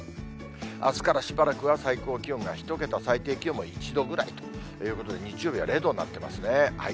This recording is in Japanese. あすからしばらくは最高気温が１桁、最低気温も１度ぐらいということで、日曜日は０度になってますね。